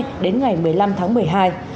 chuyến thăm là một lần đầu tiên